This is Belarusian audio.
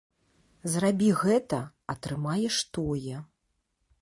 Зрабі гэта, атрымаеш тое.